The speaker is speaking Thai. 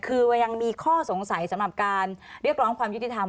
คือมันยังมีข้อสงสัยสำหรับการเรียกร้องความยุติธรรม